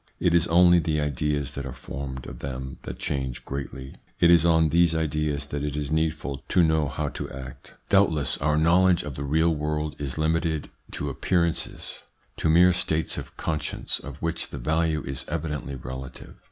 It is only the ideas that are formed of them that change greatly. It is on these ideas that it is needful to know how to act. 218 THE PSYCHOLOGY OF PEOPLES: Doubtless our knowledge of the real world is limited to appearances, to mere states of conscience of which the value is evidently relative.